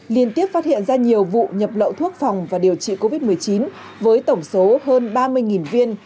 liên tiếp phát hiện ra nhiều vụ nhập lậu thuốc phòng và điều trị covid một mươi chín với tổng số hơn ba mươi viên